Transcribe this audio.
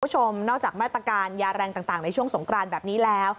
คุณผู้ชมนอกจากมาตรการยาแรงต่างในช่วงสงกรานแบบนี้แล้ว